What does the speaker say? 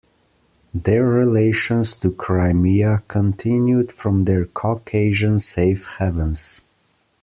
Their relations to Crimea continued from their Caucasian safe havens.